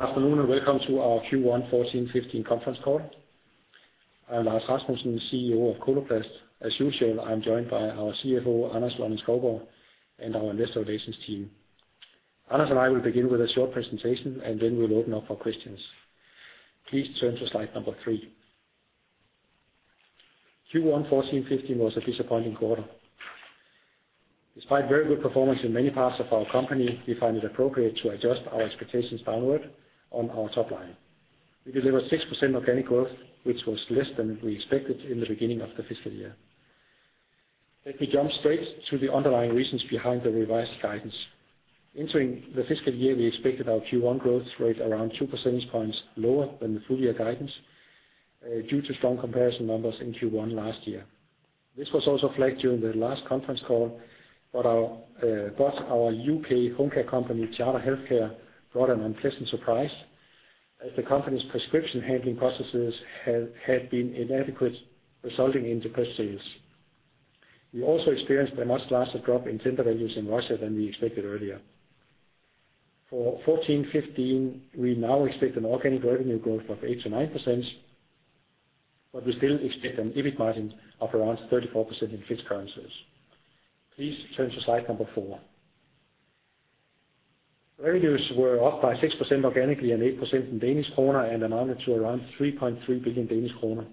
Good afternoon, and welcome to our Q1 2014-2015 conference call. I'm Lars Rasmussen, CEO of Coloplast. As usual, I'm joined by our CFO, Anders Lønning-Skovgaard, and our Investor Relations team. Anders and I will begin with a short presentation. Then we'll open up for questions. Please turn to slide number three. Q1 2014-2015 was a disappointing quarter. Despite very good performance in many parts of our company, we find it appropriate to adjust our expectations downward on our top line. We delivered 6% organic growth, which was less than we expected in the beginning of the fiscal year. Let me jump straight to the underlying reasons behind the revised guidance. Entering the fiscal year, we expected our Q1 growth rate around 2 percentage points lower than the full-year guidance due to strong comparison numbers in Q1 last year. This was also flagged during the last conference call, but our U.K. home care company, Charter Healthcare, brought an unpleasant surprise, as the company's prescription handling processes had been inadequate, resulting in depressed sales. We also experienced a much larger drop in tender values in Russia than we expected earlier. For 2014-2015, we now expect an organic revenue growth of 8%-9%, but we still expect an EBIT margin of around 34% in fixed currencies. Please turn to slide number 4. Revenues were up by 6% organically and 8% in DKK, and amounted to around 3.3 billion Danish kroner.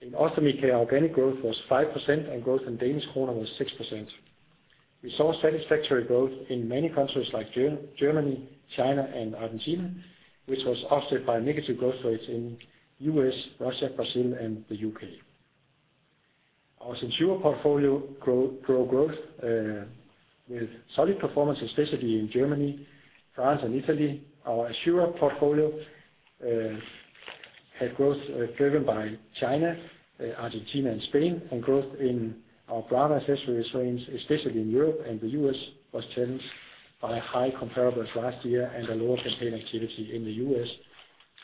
In Ostomy Care, organic growth was 5%, and growth in DKK was 6%. We saw satisfactory growth in many countries like Germany, China and Argentina, which was offset by negative growth rates in U.S., Russia, Brazil, and the U.K. Our SenSura portfolio grow growth with solid performance, especially in Germany, France, and Italy. Our Assura portfolio had growth driven by China, Argentina, and Spain. Growth in our bra and accessories range, especially in Europe and the U.S., was challenged by high comparables last year and a lower campaign activity in the U.S.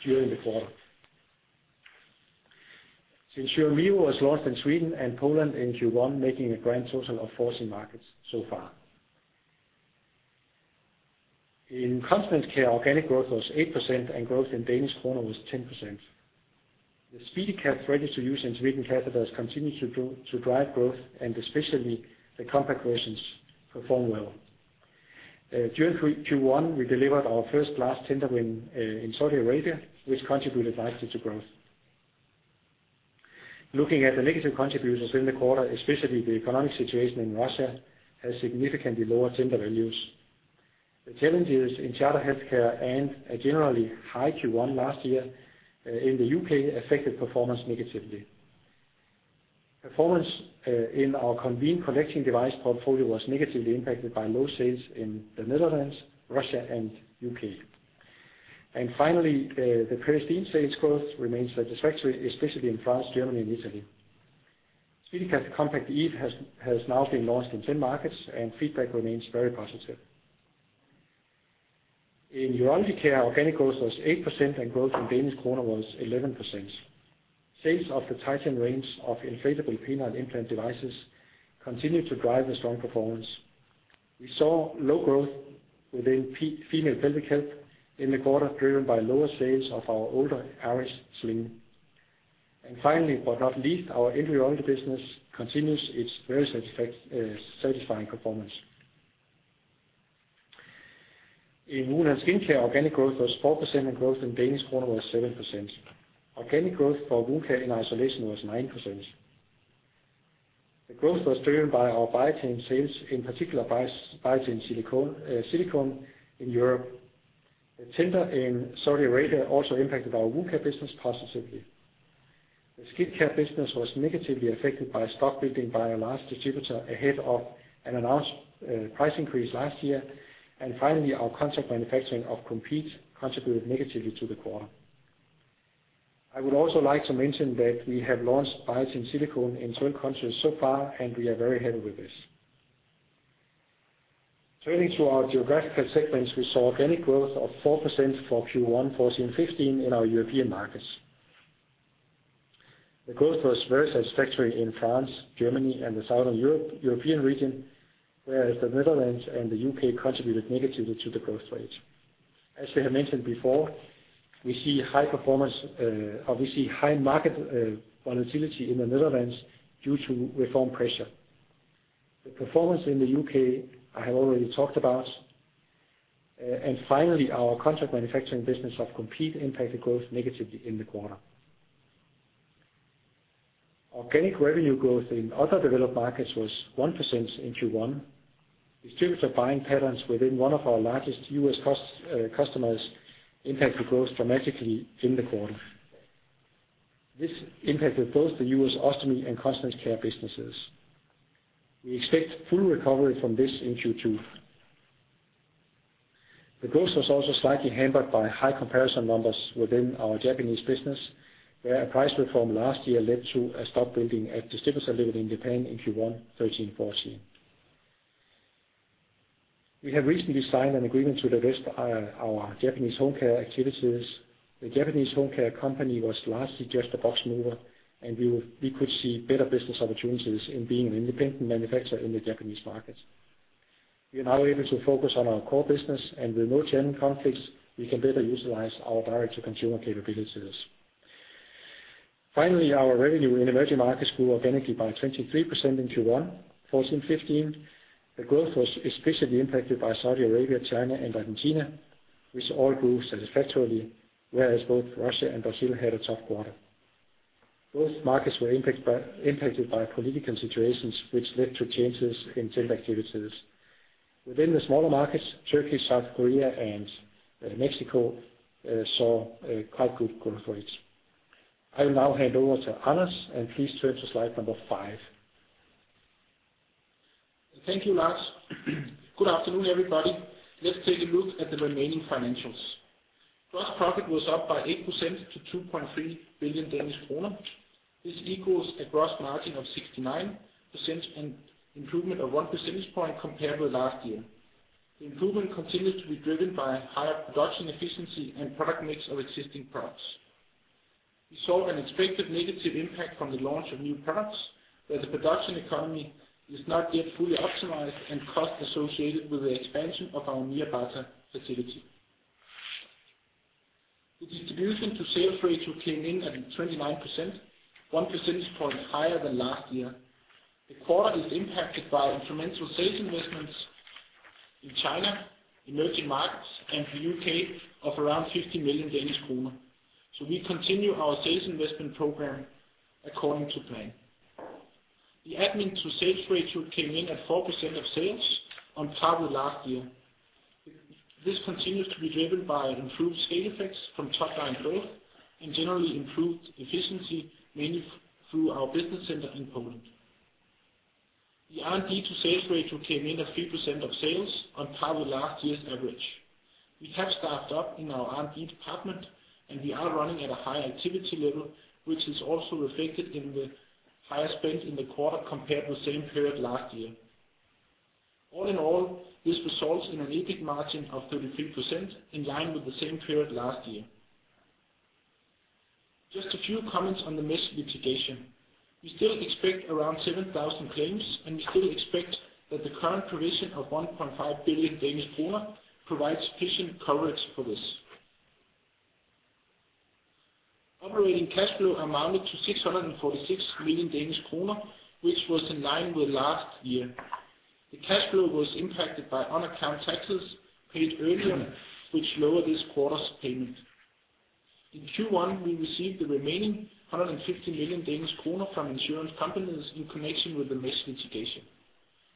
during the quarter. SenSura Mio was launched in Sweden and Poland in Q1, making a grand total of 14 markets so far. In Continence Care, organic growth was 8%, and growth in DKK was 10%. The SpeediCath ready-to-use in Sweden catheters continue to drive growth, and especially the compact versions perform well. During Q1, we delivered our first large tender win in Saudi Arabia, which contributed nicely to growth. Looking at the negative contributors in the quarter, especially the economic situation in Russia, has significantly lower tender values. The challenges in Charter Healthcare and a generally high Q1 last year in the U.K. affected performance negatively. Performance in our Conveen connecting device portfolio was negatively impacted by low sales in the Netherlands, Russia, and U.K. Finally, the Peristeen sales growth remains satisfactory, especially in France, Germany, and Italy. SpeediCath Compact Eve has now been launched in 10 markets, and feedback remains very positive. In Urology Care, organic growth was 8%, and growth in Danish kroner was 11%. Sales of the Titan range of inflatable penile implant devices continued to drive a strong performance. We saw low growth within female pelvic health in the quarter, driven by lower sales of our older Aris sling. Finally, but not least, our Endourology business continues its very satisfying performance. In Wound & Skin Care, organic growth was 4%, and growth in DKK was 7%. Organic growth for wound care in isolation was 9%. The growth was driven by our Biatain sales, in particular, Biatain Silicone, silicone in Europe. The tender in Saudi Arabia also impacted our wound care business positively. The skin care business was negatively affected by stock building by a large distributor ahead of an announced price increase last year. Finally, our contract manufacturing of Compeed contributed negatively to the quarter. I would also like to mention that we have launched Biatain Silicone in 12 countries so far, and we are very happy with this. Turning to our geographical segments, we saw organic growth of 4% for Q1 2014-2015 in our European markets. The growth was very satisfactory in France, Germany, and the Southern European region, whereas the Netherlands and the U.K. contributed negatively to the growth rate. As we have mentioned before, we see high performance, or we see high market volatility in the Netherlands due to reform pressure. The performance in the U.K., I have already talked about. Finally, our contract manufacturing business of Compeed impacted growth negatively in the quarter. Organic revenue growth in other developed markets was 1% in Q1. Distributor buying patterns within one of our largest U.S. customers impacted growth dramatically in the quarter. This impacted both the U.S. Ostomy Care and Continence Care businesses. We expect full recovery from this in Q2. The growth was also slightly hampered by high comparison numbers within our Japanese business, where a price reform last year led to a stock building at distributor level in Japan in Q1 2013-2014. We have recently signed an agreement to divest our Japanese home care activities. The Japanese home care company was largely just a box mover, and we could see better business opportunities in being an independent manufacturer in the Japanese market. We are now able to focus on our core business, and with no general conflicts, we can better utilize our direct-to-consumer capabilities. Finally, our revenue in emerging markets grew organically by 23% in Q1 2014-2015. The growth was especially impacted by Saudi Arabia, China, and Argentina, which all grew satisfactorily, whereas both Russia and Brazil had a tough quarter. Both markets were impacted by political situations, which led to changes in sales activities. Within the smaller markets, Turkey, South Korea, and Mexico saw a quite good growth rates. I will now hand over to Anders, and please turn to slide number 5. Thank you, Lars. Good afternoon, everybody. Let's take a look at the remaining financials. Gross profit was up by 8% to 2.3 billion Danish kroner. This equals a gross margin of 69%, and improvement of 1 percentage point compared with last year. The improvement continued to be driven by higher production efficiency and product mix of existing products. We saw an expected negative impact from the launch of new products, where the production economy is not yet fully optimized and costs associated with the expansion of our Nyírbátor facility. The distribution to sales ratio came in at 29%, 1 percentage point higher than last year. The quarter is impacted by incremental sales investments in China, emerging markets, and the U.K. of around 50 million Danish kroner. We continue our sales investment program according to plan. The admin to sales ratio came in at 4% of sales, on par with last year. This continues to be driven by improved scale effects from top line growth and generally improved efficiency, mainly through our business center in Poland. The R&D to sales ratio came in at 3% of sales, on par with last year's average. We have staffed up in our R&D department, and we are running at a high activity level, which is also reflected in the higher spend in the quarter compared with the same period last year. All in all, this results in an EBIT margin of 33%, in line with the same period last year. Just a few comments on the mesh litigation. We still expect around 7,000 claims, and we still expect that the current provision of 1.5 billion Danish kroner provides sufficient coverage for this. Operating cash flow amounted to 646 million Danish kroner, which was in line with last year. The cash flow was impacted by on-account taxes paid earlier, which lowered this quarter's payment. In Q1, we received the remaining 150 million Danish kroner from insurance companies in connection with the mesh litigation.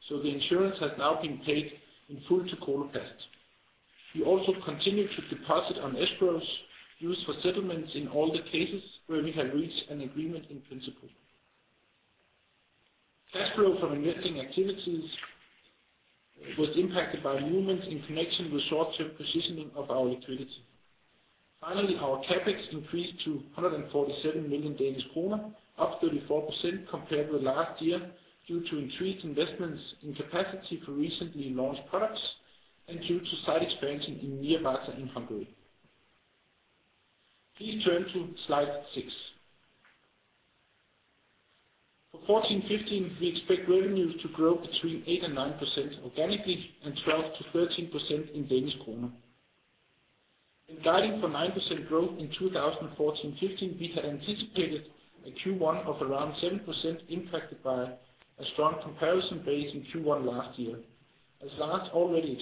The insurance has now been paid in full to Coloplast. We also continued to deposit on escrows used for settlements in all the cases where we have reached an agreement in principle. Cash flow from investing activities was impacted by movements in connection with short-term positioning of our liquidity. Finally, our CapEx increased to 147 million Danish kroner, up 34% compared with last year, due to increased investments in capacity for recently launched products and due to site expansion in Nyírbátor in Hungary. Please turn to slide 6. For 2014-2015, we expect revenues to grow between 8% and 9% organically, and 12%-13% in DKK. In guiding for 9% growth in 2014-2015, we had anticipated a Q1 of around 7%, impacted by a strong comparison base in Q1 last year. As Lars already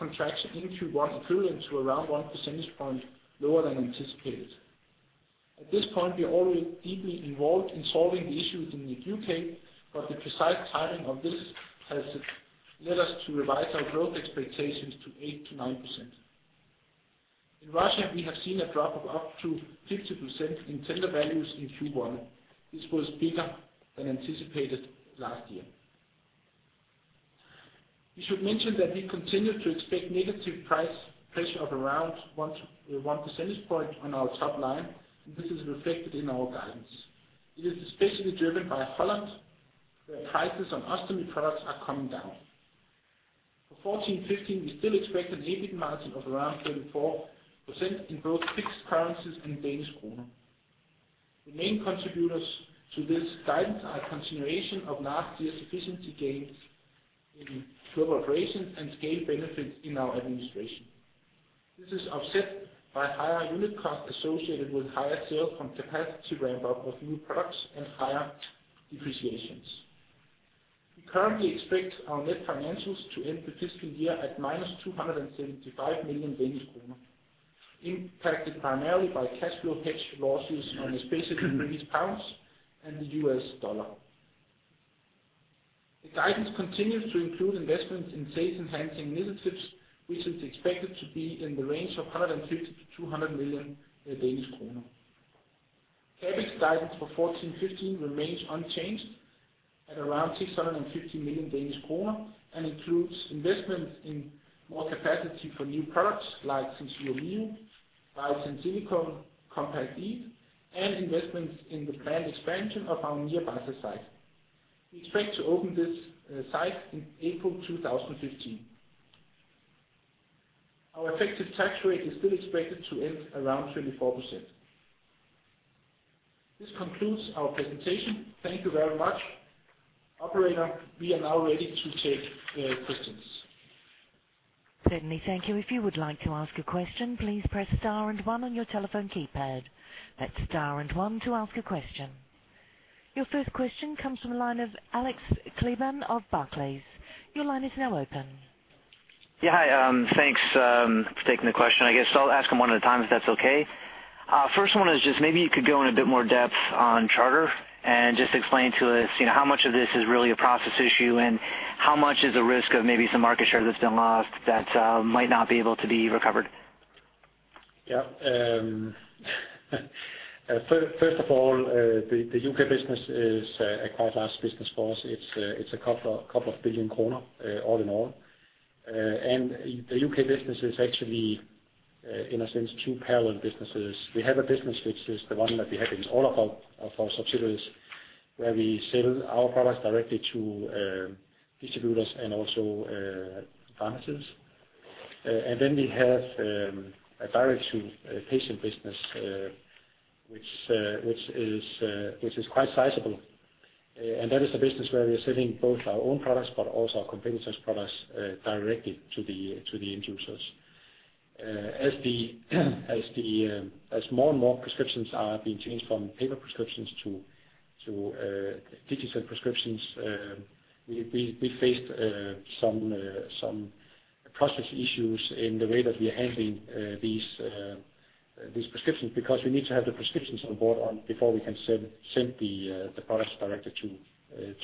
explained, we saw a growth contraction in Q1 equivalent to around 1 percentage point lower than anticipated. At this point, we are already deeply involved in solving the issues in the U.K., but the precise timing of this has led us to revise our growth expectations to 8%-9%. In Russia, we have seen a drop of up to 50% in tender values in Q1. This was bigger than anticipated last year. We should mention that we continue to expect negative price pressure of around 1 percentage point on our top line. This is reflected in our guidance. It is especially driven by Holland, where prices on ostomy products are coming down. For 14-15, we still expect an EBIT margin of around 34% in both fixed currencies and Danish kroner. The main contributors to this guidance are a continuation of last year's efficiency gains in global operations and scale benefits in our administration. This is offset by higher unit costs associated with higher sales from capacity ramp-up of new products and higher depreciations. We currently expect our net financials to end the fiscal year at -275 million Danish kroner, impacted primarily by cash flow hedge losses on especially British pounds and the US dollar. The guidance continues to include investments in sales-enhancing initiatives, which is expected to be in the range of 150 million-200 million Danish kroner. CapEx guidance for 2014-2015 remains unchanged at around 650 million Danish kroner, and includes investments in more capacity for new products like SenSura Mio, Biatain Silicone, Compact Eve, and investments in the planned expansion of our Nyírbátor site.... We expect to open this site in April 2015. Our effective tax rate is still expected to end around 24%. This concludes our presentation. Thank you very much. Operator, we are now ready to take questions. Certainly. Thank you. If you would like to ask a question, please press star and one on your telephone keypad. That's star and one to ask a question. Your first question comes from the line of Alex Kleban of Barclays. Your line is now open. Yeah, hi. Thanks for taking the question. I guess I'll ask them one at a time, if that's okay. First one is just maybe you could go in a bit more depth on Charter and just explain to us, you know, how much of this is really a process issue, and how much is a risk of maybe some market share that's been lost that might not be able to be recovered? First of all, the UK business is a quite large business for us. It's a couple of billion kroner all in all. The UK business is actually in a sense 2 parallel businesses. We have a business which is the one that we have in all of our subsidiaries, where we sell our products directly to distributors and also pharmacies. We have a direct-to-patient business which is quite sizable, and that is the business where we are selling both our own products but also our competitors' products directly to the end users. As more and more prescriptions are being changed from paper prescriptions to digital prescriptions, we faced some process issues in the way that we are handling these prescriptions, because we need to have the prescriptions on board before we can send the products directly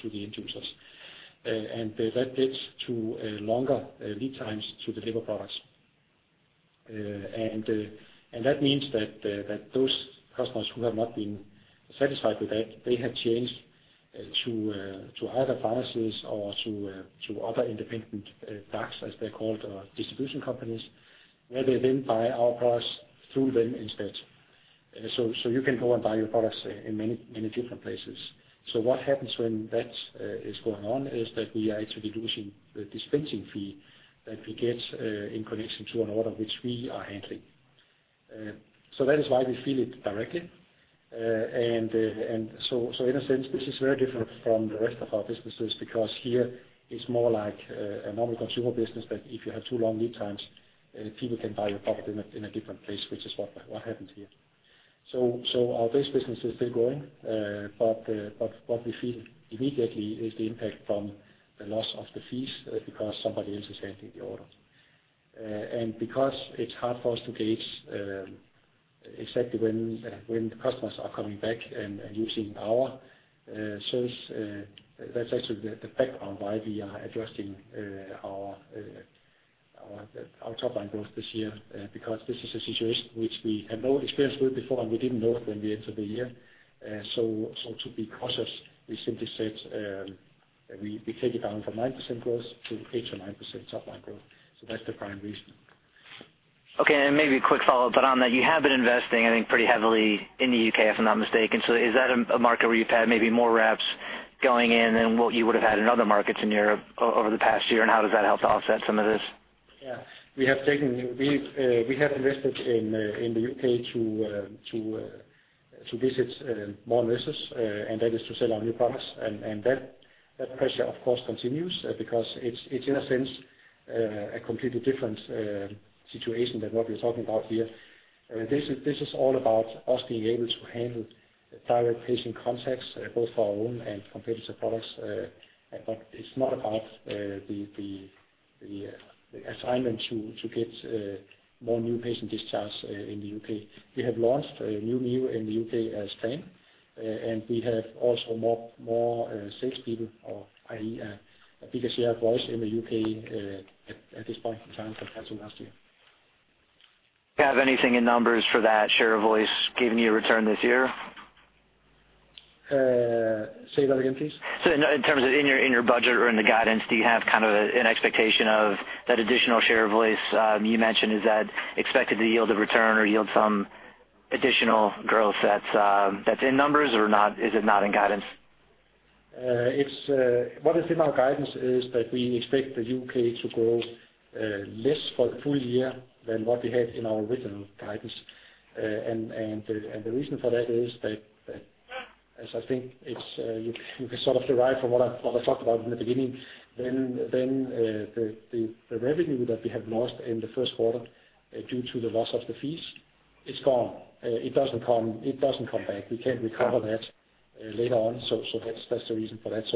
to the end users. That leads to longer lead times to deliver products. That means that those customers who have not been satisfied with that, they have changed to other pharmacies or to other independent DACs, as they're called, or distribution companies, where they then buy our products through them instead. You can go and buy your products in many different places. What happens when that is going on, is that we are actually losing the dispensing fee that we get in connection to an order which we are handling. That is why we feel it directly. In a sense, this is very different from the rest of our businesses, because here it's more like a normal consumer business, that if you have too long lead times, people can buy your product in a different place, which is what happened here. This business is still growing. What we feel immediately is the impact from the loss of the fees, because somebody else is handling the order. Because it's hard for us to gauge exactly when the customers are coming back and using our service, that's actually the background why we are adjusting our top line growth this year. Because this is a situation which we had no experience with before, and we didn't know it when we entered the year. To be cautious, we simply said, we take it down from 9% growth to 8% or 9% top line growth. That's the prime reason. Okay, maybe a quick follow-up on that, you have been investing, I think, pretty heavily in the U.K., if I'm not mistaken. Is that a market where you've had maybe more reps going in than what you would have had in other markets in Europe over the past year? How does that help to offset some of this? Yeah. We have taken, we have invested in the U.K. to visit more nurses, and that is to sell our new products. That pressure, of course, continues because it's in a sense, a completely different situation than what we're talking about here. This is all about us being able to handle direct patient contacts, both for our own and competitive products. It's not about the assignment to get more new patient discharge in the U.K. We have launched a new view in the U.K. as Spain, we have also more salespeople, or i.e., a bigger share of voice in the U.K., at this point in time compared to last year. Do you have anything in numbers for that share of voice giving you a return this year? Say that again, please? In terms of in your budget or in the guidance, do you have kind of an expectation of that additional share of voice you mentioned? Is that expected to yield a return or yield some additional growth that's in numbers or not? Is it not in guidance? What is in our guidance is that we expect the U.K to grow less for the full-year than what we had in our original guidance. The reason for that is that as I think it's, you can sort of derive from what I talked about in the beginning, the revenue that we have lost in the first quarter due to the loss of the fees, it's gone. It doesn't come back. We can't recover that later on. That's the reason for that.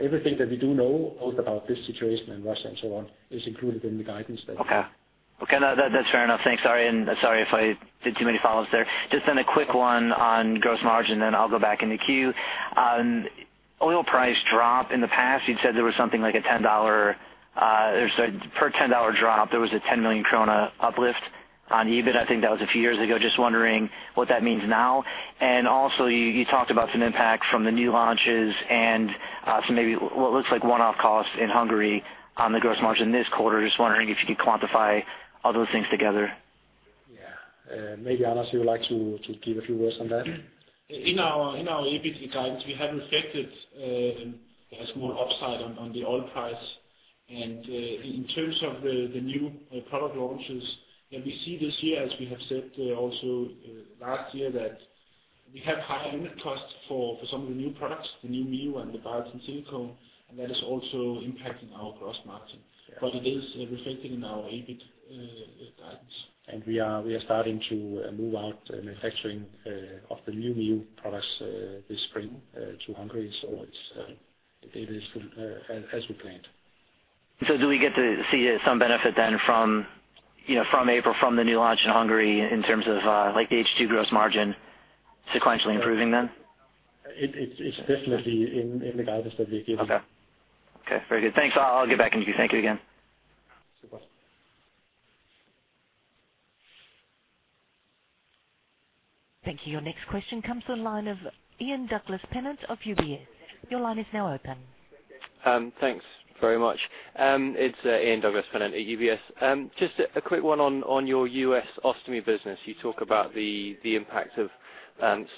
Everything that we do know, both about this situation and Russia and so on, is included in the guidance. Okay. That's fair enough. Thanks. Sorry, sorry if I did too many follow-ups there. Just then a quick one on gross margin, then I'll go back in the queue. On oil price drop, in the past, you'd said there was something like a $10, there's a per $10 drop, there was a 10 million krone uplift on EBIT. I think that was a few years ago. Just wondering what that means now. Also, you talked about some impact from the new launches and, some maybe what looks like one-off costs in Hungary on the gross margin this quarter. Just wondering if you could quantify all those things together.... maybe, Anders, you would like to give a few words on that? In our EBIT guidance, we have reflected a small upside on the oil price. In terms of the new product launches that we see this year, as we have said also last year, that we have higher unit costs for some of the new products, the new Mio and the Biatain Silicone, and that is also impacting our gross margin. It is reflecting in our EBIT guidance. We are starting to move out manufacturing of the new Mio products this spring to Hungary. It's as we planned. Do we get to see some benefit then from, you know, from April, from the new launch in Hungary in terms of, like the H2 gross margin sequentially improving then? It's definitely in the guidance that we give. Okay, very good. Thanks. I'll get back into you. Thank you again. Sure. Thank you. Your next question comes from the line of Ian Douglas-Pennant of UBS. Your line is now open. Thanks very much. It's Ian Douglas-Pennant at UBS. Just a quick one on your US Ostomy business. You talk about the impact of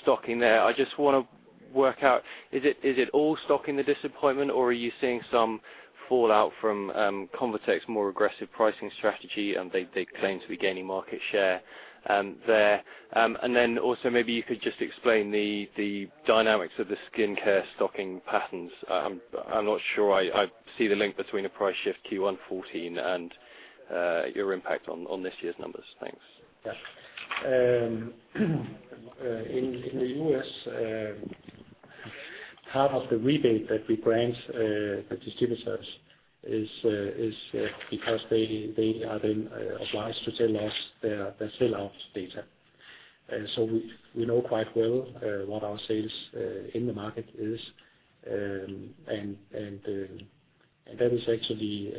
stocking there. I just wanna work out, is it all stocking the disappointment, or are you seeing some fallout from Convatec's more aggressive pricing strategy, and they claim to be gaining market share there? Also, maybe you could just explain the dynamics of the skincare stocking patterns. I'm not sure I see the link between a price shift Q1 14 and your impact on this year's numbers. Thanks. Yes. In the U.S. part of the rebate that we grant the distributors is because they are then obliged to tell us their sell-off data. We know quite well what our sales in the market is. That is actually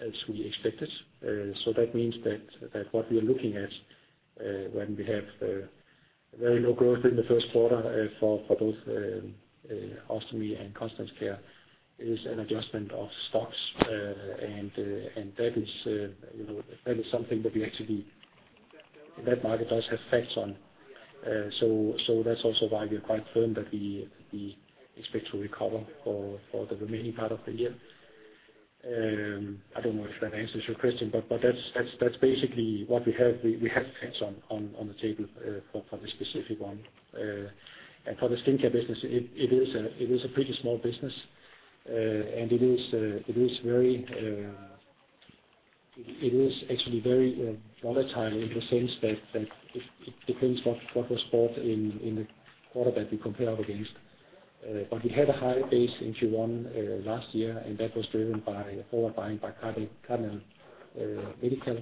as we expected. That means that what we are looking at when we have very low growth in the first quarter for both Ostomy Care and Continence Care is an adjustment of stocks. That is, you know, that is something that we actually that market does have facts on. That's also why we are quite firm that we expect to recover for the remaining part of the year. I don't know if that answers your question, but that's basically what we have. We have facts on the table for this specific one. For the Skincare business, it is a pretty small business, and it is very, actually very volatile in the sense that it depends what was bought in the quarter that we compare it against. We had a higher base in Q1 last year, and that was driven by, followed by Cardinal Health,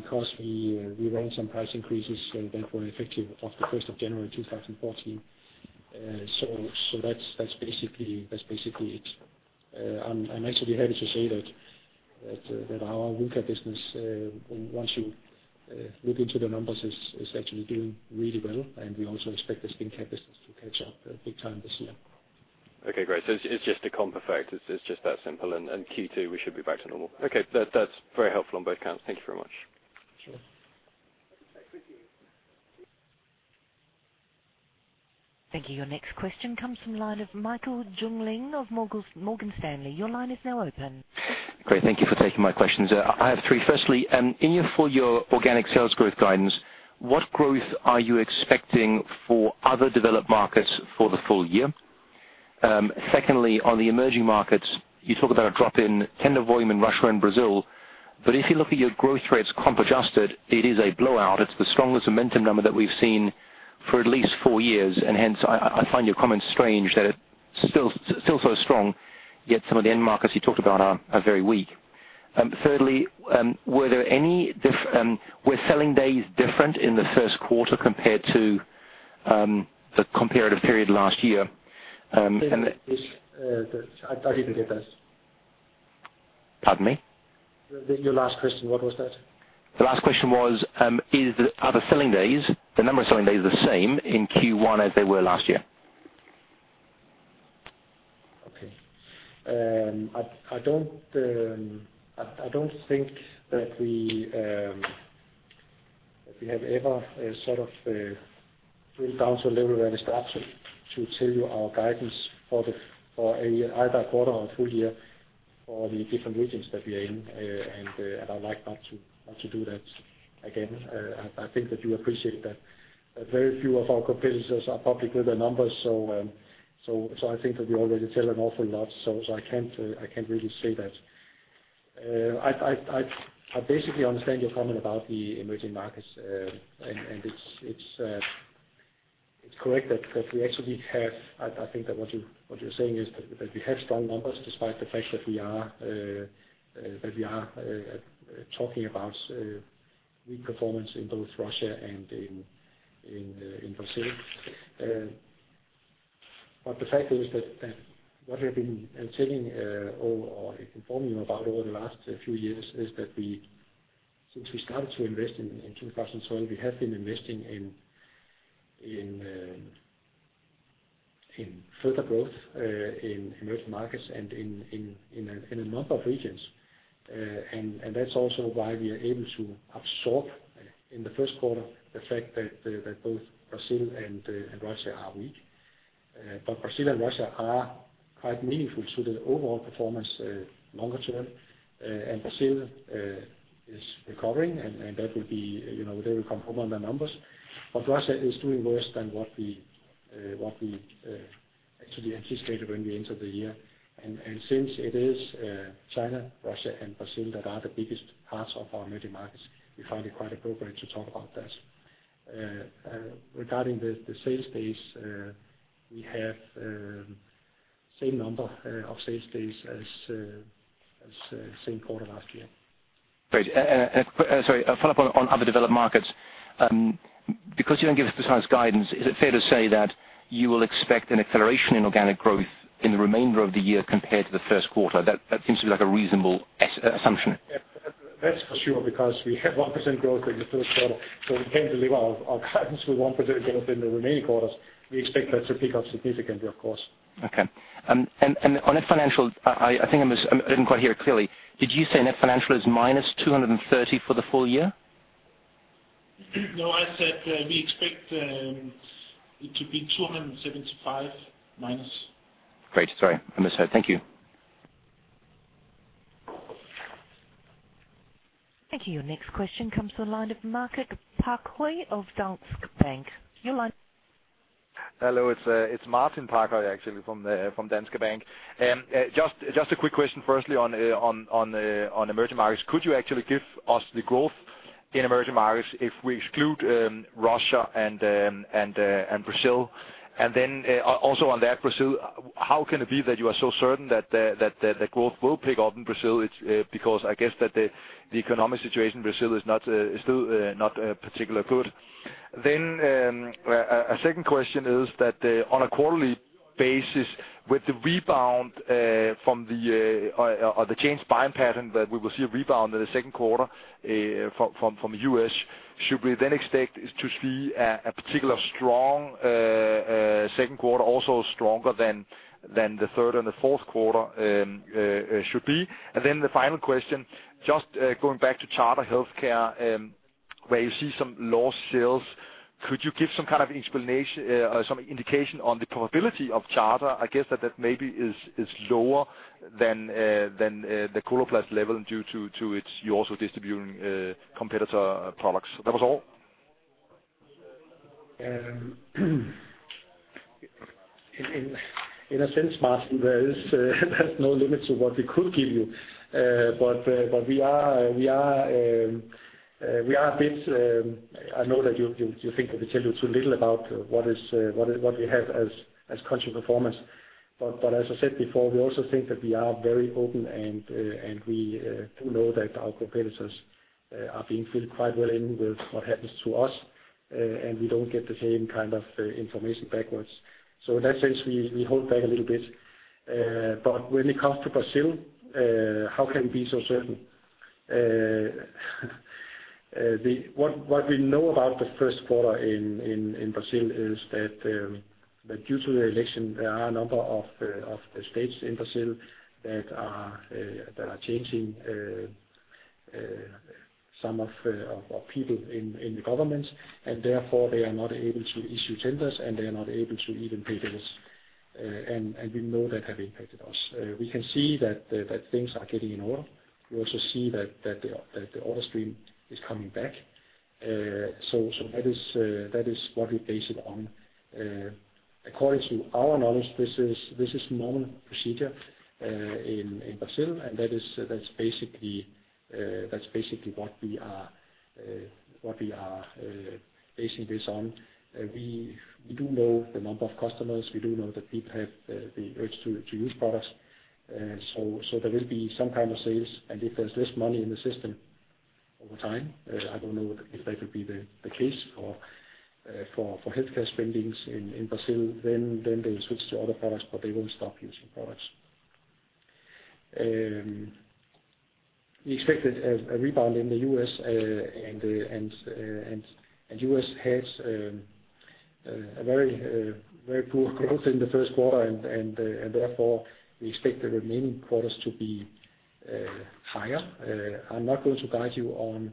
because we ran some price increases that were effective off the first of January 2014. That's basically it. I'm actually happy to say that our Skincare business, once you look into the numbers, is actually doing really well. We also expect the Skincare business to catch up big time this year. Okay, great. It's just a comp effect. It's just that simple, and Q2, we should be back to normal. Okay. That's very helpful on both counts. Thank you very much. Sure. Thank you. Your next question comes from the line of Michael Jüngling of Morgan Stanley. Your line is now open. Great, thank you for taking my questions. I have three. Firstly, in your full-year organic sales growth guidance, what growth are you expecting for other developed markets for the full-year? Secondly, on the emerging markets, you talk about a drop in tender volume in Russia and Brazil, but if you look at your growth rates, comp adjusted, it is a blowout. It's the strongest momentum number that we've seen for at least four years, and hence, I find your comments strange that it's still so strong, yet some of the end markets you talked about are very weak. Thirdly, were selling days different in the first quarter compared to the comparative period last year? I didn't get that. Pardon me? Your last question, what was that? The last question was, are the selling days, the number of selling days, the same in Q1 as they were last year? Okay. I don't, I don't think that we have ever, sort of, drilled down to a level where we start to tell you our guidance for either quarter or full-year for the different regions that we are in. I'd like not to do that again. I think that you appreciate that. Very few of our competitors are public with their numbers. I think that we already sell an awful lot. I can't really say that. I basically understand your comment about the emerging markets. It's correct that we actually have... I think that what you're saying is that we have strong numbers, despite the fact that we are talking about weak performance in both Russia and in Brazil. But the fact is that what we've been saying or informing you about over the last few years is that we since we started to invest in 2012, we have been investing in further growth in emerging markets and in a number of regions. And that's also why we are able to absorb in the first quarter, the fact that both Brazil and Russia are weak. Brazil and Russia are quite meaningful to the overall performance longer term, and Brazil is recovering, and that will be, you know, they will come home on their numbers. Russia is doing worse than what we actually anticipated when we entered the year. Since it is China, Russia, and Brazil that are the biggest parts of our emerging markets, we find it quite appropriate to talk about that. Regarding the sales base, we have same number of sales base as same quarter last year. Great. sorry, a follow-up on other developed markets. Because you don't give a precise guidance, is it fair to say that you will expect an acceleration in organic growth in the remainder of the year compared to the first quarter? That seems to be like a reasonable assumption. Yes, that's for sure, because we have 1% growth in the first quarter, so we came to leave our guidance with 1% growth in the remaining quarters. We expect that to pick up significantly, of course. Okay. On a financial, I think I didn't quite hear clearly, did you say net financial is -230 for the full-year? No, I said, we expect it to be -275. Great. Sorry, I missed that. Thank you. Thank you. Your next question comes to the line of Martin Parkhøi of Danske Bank. Your line. Hello, it's Martin Parkhøi, actually, from the, from Danske Bank. Just a quick question, firstly, on emerging markets. Could you actually give us the growth in emerging markets if we exclude, Russia and Brazil? Also on that, Brazil, how can it be that you are so certain that the growth will pick up in Brazil? It's, because I guess that the economic situation in Brazil is not, is still, not particularly good. A second question is that on a quarterly basis, with the rebound from the changed buying pattern, that we will see a rebound in the second quarter from U.S., should we expect to see a particular strong second quarter, also stronger than the third and the fourth quarter should be? The final question, going back to Charter Healthcare, where you see some lost sales, could you give some kind of explanation, some indication on the probability of Charter? I guess that maybe is lower than the Coloplast level due to its you're also distributing competitor products. That was all. In a sense, Martin, there's no limit to what we could give you. We are a bit. I know that you think that we tell you too little about what we have as country performance. As I said before, we also think that we are very open, and we do know that our competitors are being filled quite well in with what happens to us, and we don't get the same kind of information backwards. In that sense, we hold back a little bit. When it comes to Brazil, how can we be so certain? What we know about the first quarter in Brazil is that due to the election, there are a number of states in Brazil that are changing some of people in the government, and therefore, they are not able to issue tenders, and they are not able to even pay bills. We know that have impacted us. We can see that things are getting in order. We also see that the order stream is coming back. That is what we base it on. According to our knowledge, this is normal procedure in Brazil, and that's basically what we are basing this on. We do know the number of customers, we do know that people have the urge to use products. There will be some kind of sales, and if there's less money in the system over time, I don't know if that would be the case for healthcare spendings in Brazil, then they switch to other products, but they won't stop using products. We expect a rebound in the U.S., and U.S. has a very poor growth in the first quarter, and therefore, we expect the remaining quarters to be higher. I'm not going to guide you on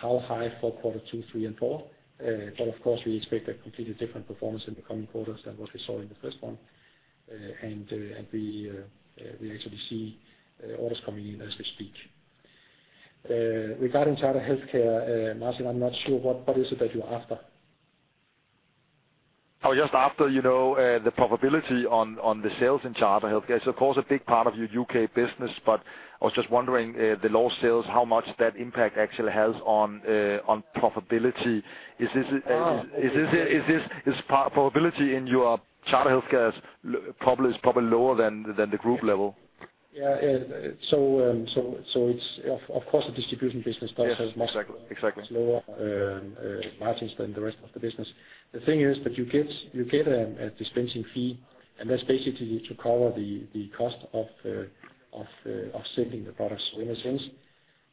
how high for quarter two, three, and four. Of course, we expect a completely different performance in the coming quarters than what we saw in the first one. We actually see orders coming in as we speak. Regarding Charter Healthcare, Martin, I'm not sure what is it that you're after? Oh, just after, you know, the probability on the sales in Charter Healthcare. It's, of course, a big part of your U.K. business, but I was just wondering, the lost sales, how much that impact actually has on profitability. Is this Ah. Is profitability in your Charter Healthcare is probably lower than the group level? It's of course, the distribution business does have. Yes, exactly.... lower margins than the rest of the business. The thing is that you get a dispensing fee, and that's basically to cover the cost of selling the product. In a sense,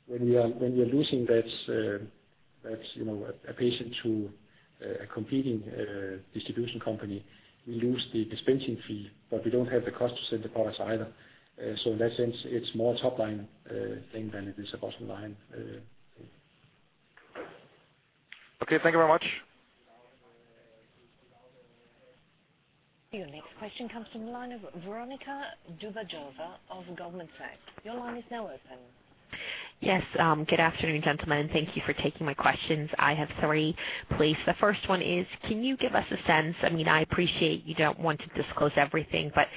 when we are losing that, you know, a patient to a competing distribution company, we lose the dispensing fee, but we don't have the cost to send the products either. In that sense, it's more top line thing than it is a bottom line. Okay, thank you very much. Your next question comes from the line of Veronika Dubajova of Goldman Sachs. Your line is now open. Yes, good afternoon, gentlemen. Thank you for taking my questions. I have three, please. The first one is, can you give us a sense, I mean, I appreciate you don't want to disclose everything, but,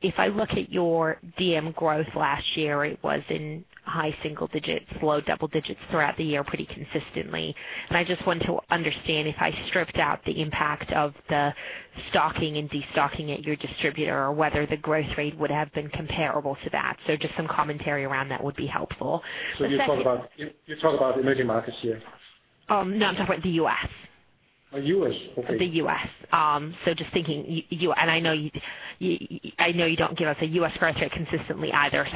if I look at your DM growth last year, it was in high single digits, low double digits throughout the year, pretty consistently. I just want to understand, if I stripped out the impact of the stocking and de-stocking at your distributor, or whether the growth rate would have been comparable to that. Just some commentary around that would be helpful. You're talking about emerging markets here? no, I'm talking about the U.S. U.S.? Okay. The U.S. Just thinking, I know you don't give us a U.S. growth rate consistently either.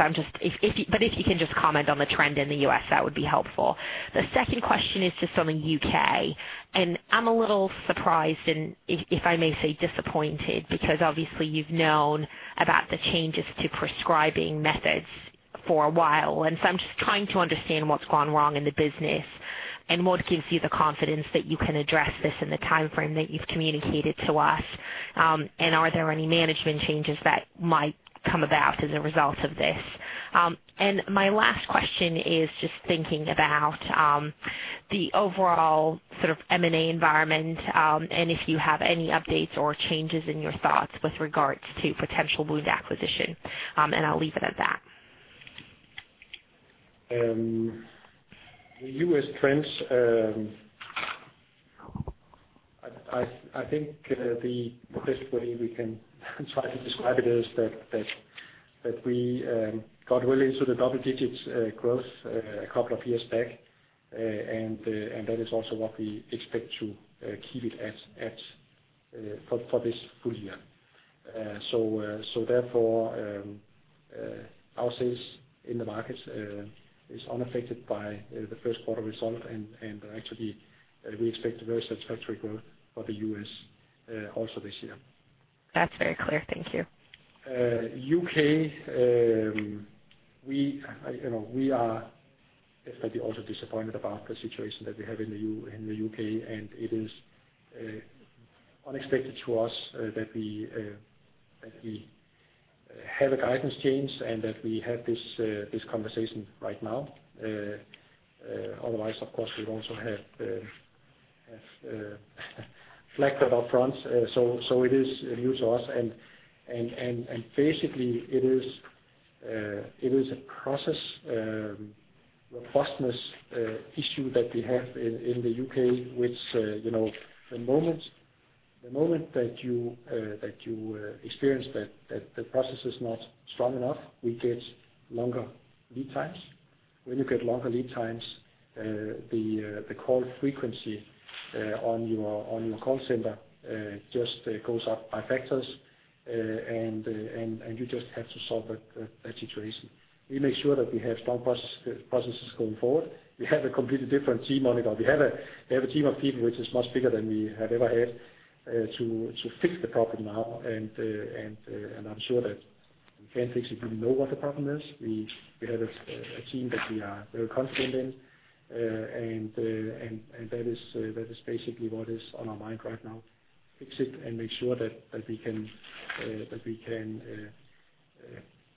If you can just comment on the trend in the U.S., that would be helpful. The second question is just on the U.K. I'm a little surprised, and if I may say, disappointed, because obviously you've known about the changes to prescribing methods for a while. I'm just trying to understand what's gone wrong in the business, and what gives you the confidence that you can address this in the timeframe that you've communicated to us? Are there any management changes that might come about as a result of this? My last question is just thinking about, the overall sort of M&A environment, and if you have any updates or changes in your thoughts with regards to potential wound acquisition. I'll leave it at that. The U.S. trends, I think, the best way we can try to describe it is that we got well into the double digits growth a couple of years back. That is also what we expect to keep it at for this full-year. Therefore, our sales in the market is unaffected by the first quarter result, and actually, we expect a very satisfactory growth for the U.S. also this year. That's very clear. Thank you. U.K., you know, we are actually also disappointed about the situation that we have in the U.K., and it is unexpected to us that we have a guidance change and that we have this conversation right now. Otherwise, of course, we'd also have flagged that up front. It is new to us. Basically it is a process robustness issue that we have in the U.K., which, you know, the moment that you experience that the process is not strong enough, we get longer lead times. When you get longer lead times, the call frequency on your call center just goes up by factors. You just have to solve that situation. We make sure that we have strong processes going forward. We have a completely different team on it, or we have a team of people which is much bigger than we have ever had to fix the problem now. I'm sure that we can fix it. We know what the problem is. We have a team that we are very confident in. That is basically what is on our mind right now, fix it and make sure that we can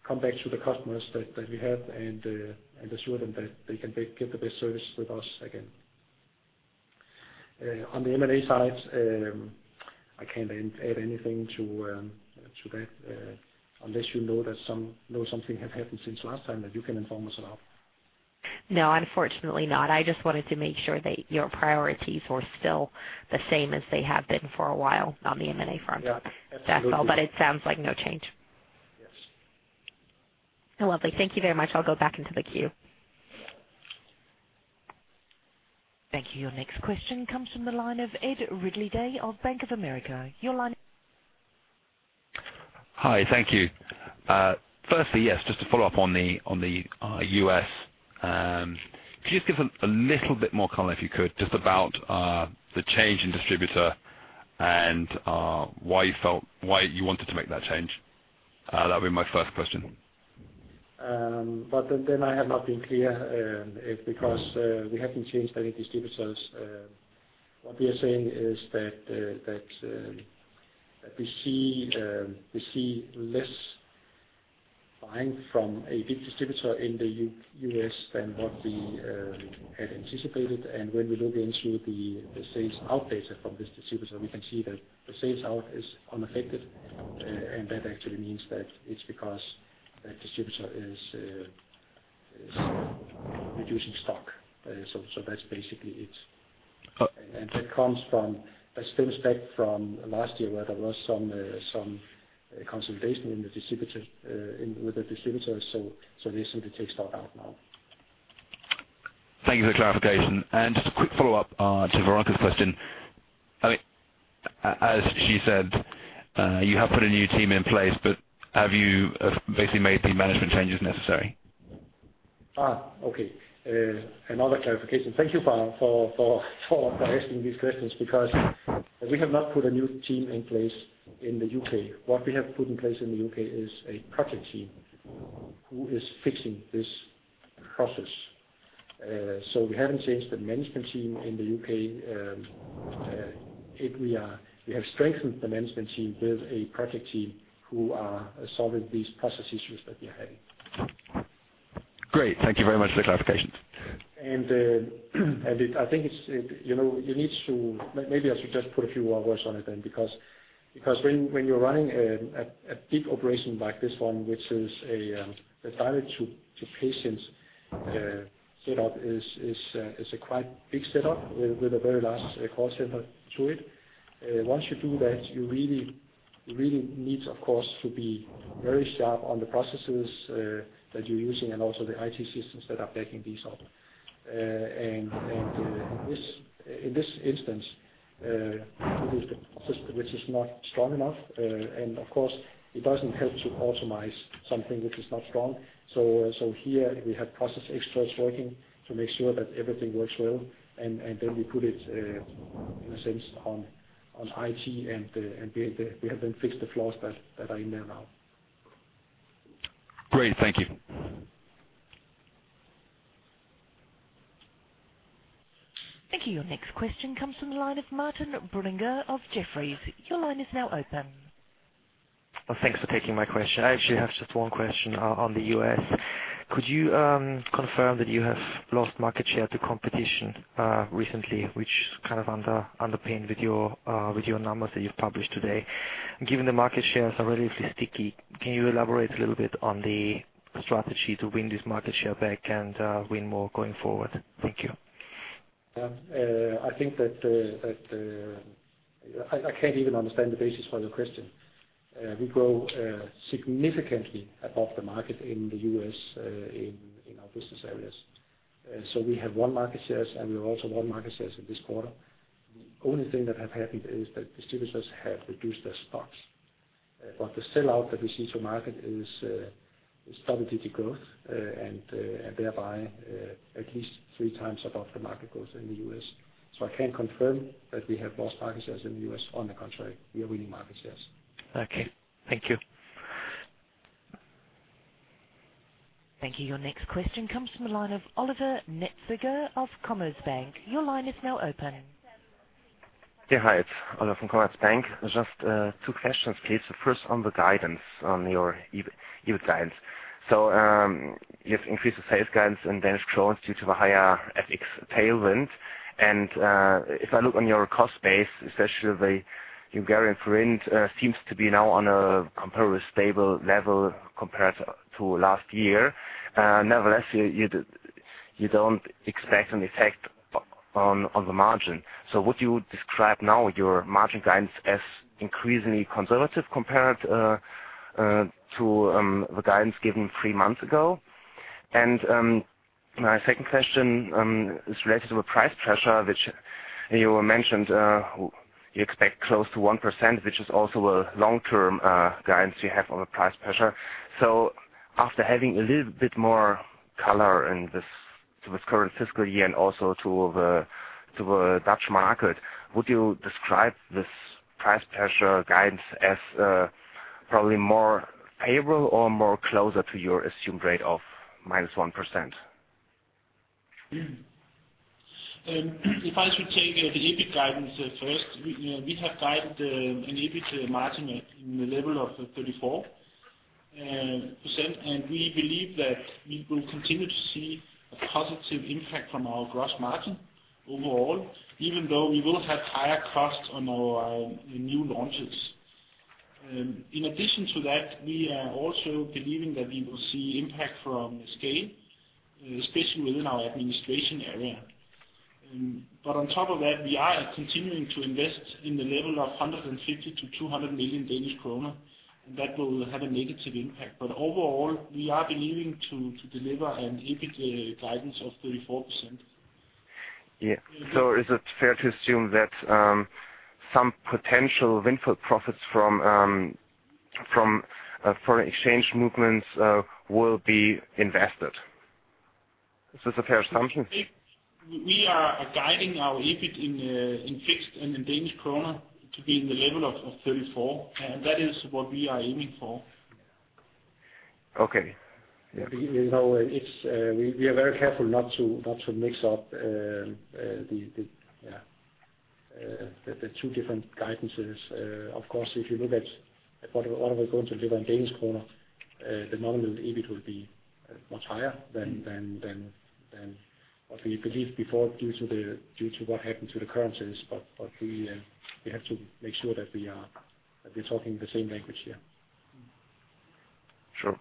come back to the customers that we have and assure them that they can make the best service with us again. On the M&A side, I can't add anything to that, unless you know that something has happened since last time that you can inform us about. No, unfortunately not. I just wanted to make sure that your priorities were still the same as they have been for a while on the M&A front. Yeah, absolutely. That's all, but it sounds like no change. Yes. Lovely. Thank you very much. I'll go back into the queue. Thank you. Your next question comes from the line of Ed Ridley-Day of Bank of America. Your line is. Hi. Thank you. Firstly, yes, just to follow up on the U.S., could you just give us a little bit more color, if you could, just about the change in distributor and why you wanted to make that change? That'd be my first question. I have not been clear, because we haven't changed any distributors. What we are saying is that we see less buying from a big distributor in the U.S. than what we had anticipated. When we look into the sales out data from this distributor, we can see that the sales out is unaffected, and that actually means that it's because that distributor is reducing stock. That's basically it. Oh- That comes from a pushback from last year, where there was some consolidation in the distributor, in with the distributors, so they simply take stock out now. Thank you for the clarification. Just a quick follow-up, to Veronika's question.... As she said, you have put a new team in place, but have you basically made the management changes necessary? Okay. Another clarification. Thank you for asking these questions, because we have not put a new team in place in the U.K. What we have put in place in the U.K. is a project team who is fixing this process. We haven't changed the management team in the U.K. We have strengthened the management team with a project team who are solving these process issues that we are having. Great, thank you very much for the clarifications. I think it's, you know, you need to... Maybe I should just put a few more words on it then, because when you're running a big operation like this one, which is a direct to patients set up, is a quite big setup with a very large call center to it. Once you do that, you really need, of course, to be very sharp on the processes that you're using and also the IT systems that are backing these up. In this instance, it is the process which is not strong enough. Of course, it doesn't help to automate something which is not strong. Here we have process experts working to make sure that everything works well, and then we put it in a sense, on IT, and we have then fixed the flaws that are in there now. Great, thank you. Thank you. Your next question comes from the line of Martin Brunninger of Jefferies. Your line is now open. Well, thanks for taking my question. I actually have just one question, on the U.S. Could you confirm that you have lost market share to competition, recently, which kind of underpinned with your, with your numbers that you've published today? Given the market shares are relatively sticky, can you elaborate a little bit on the strategy to win this market share back and, win more going forward? Thank you. I think that I can't even understand the basis for your question. We grow significantly above the market in the U.S. in our business areas. We have won market shares, and we also won market shares in this quarter. Only thing that have happened is that distributors have reduced their stocks. The sell-out that we see to market is double-digit growth, and thereby at least three times above the market growth in the U.S. I can't confirm that we have lost market shares in the U.S. On the contrary, we are winning market shares. Okay. Thank you. Thank you. Your next question comes from the line of Oliver Metzger of Commerzbank. Your line is now open. Yeah, hi, it's Oliver from Commerzbank. Just, two questions, please. The first on the guidance, on your guidance. You've increased the sales guidance and Danish crowns due to the higher FX tailwind. If I look on your cost base, especially the Hungarian forint, seems to be now on a comparatively stable level compared to last year. Nevertheless, you don't expect an effect on the margin. Would you describe now your margin guidance as increasingly conservative compared to the guidance given three months ago? My second question is related to the price pressure, which you mentioned, you expect close to 1%, which is also a long-term guidance you have on the price pressure. After having a little bit more color in this, to this current fiscal year and also to the, to the Dutch market, would you describe this price pressure guidance as probably more favorable or more closer to your assumed rate of -1%? If I should take the EBIT guidance first, we have guided an EBIT margin in the level of 34%, and we believe that we will continue to see a positive impact from our gross margin overall, even though we will have higher costs on our new launches. In addition to that, we are also believing that we will see impact from scale, especially within our administration area. On top of that, we are continuing to invest in the level of 150 million - 200 million Danish kroner, and that will have a negative impact. Overall, we are believing to deliver an EBIT guidance of 34%. Is it fair to assume that some potential windfall profits from foreign exchange movements will be invested? Is this a fair assumption? We are guiding our EBIT in fixed and in Danish kroner to be in the level of 34%, and that is what we are aiming for. Okay. We are very careful not to mix up the two different guidances. Of course, if you look at what we're going to deliver in Danish kroner, the nominal EBIT will be much higher than what we believed before, due to what happened to the currencies. We have to make sure that we're talking the same language here. Sure.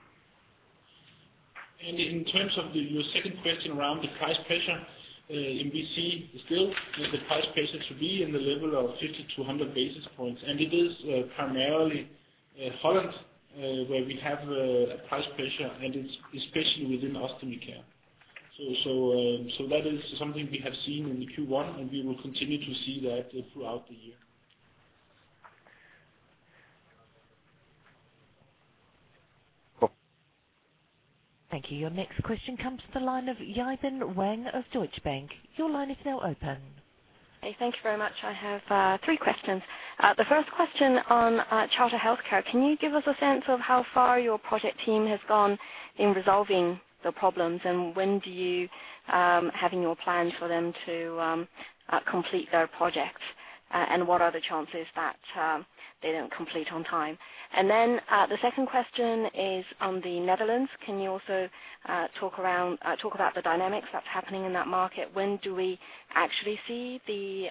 In terms of your second question around the price pressure, we see still the price pressure to be in the level of 50-100 basis points, and it is primarily Holland where we have a price pressure, and it's especially within Ostomy Care. That is something we have seen in the Q1, and we will continue to see that throughout the year. Thank you. Your next question comes to the line of Yi-Wen Wang of Deutsche Bank. Your line is now open. Hey, thank you very much. I have three questions. The first question on Charter Healthcare, can you give us a sense of how far your project team has gone in resolving the problems? When do you have in your plans for them to complete their projects, and what are the chances that they don't complete on time? The second question is on the Netherlands. Can you also talk about the dynamics that's happening in that market? When do we actually see the,